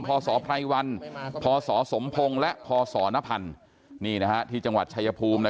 พศไพรวันพศสมพงศ์และพศนพันธ์นี่นะฮะที่จังหวัดชายภูมินะ